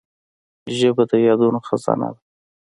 ژبه د یادونو خزانه ده